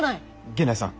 源内さん。